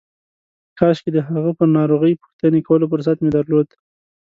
کاشکې د هغه پر ناروغۍ پوښتنې کولو فرصت مې درلود.